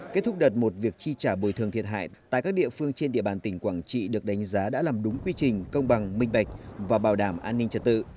kết thúc đợt một việc chi trả bồi thường thiệt hại tại các địa phương trên địa bàn tỉnh quảng trị được đánh giá đã làm đúng quy trình công bằng minh bạch và bảo đảm an ninh trật tự